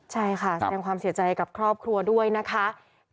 ใช่ค่ะแสดงความเสียใจกับครอบครัวด้วยนะคะ